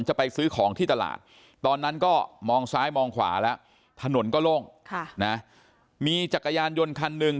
จะไปซื้อของที่ตลาดตอนนั้นก็มองซ้ายมองขวาแล้วถนนก็โล่งมีจักรยานยนต์คันหนึ่ง